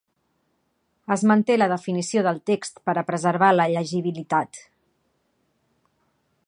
Es manté la definició del text per a preservar la llegibilitat.